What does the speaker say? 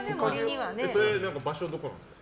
場所はどこなんですか？